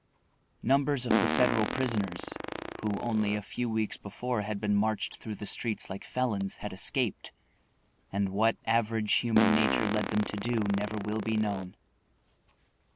Numbers of the Federal prisoners, who only a few weeks before had been marched through the streets like felons, had escaped, and what average human nature led them to do never will be known.